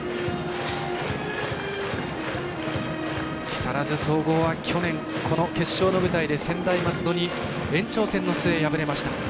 木更津総合は去年この決勝の舞台で延長戦の末、敗れました。